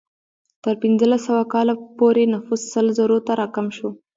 تر پنځلس سوه کال پورې نفوس سل زرو ته راکم شو.